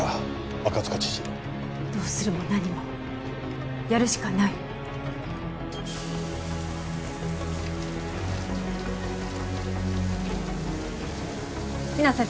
赤塚知事どうするも何もやるしかない比奈先生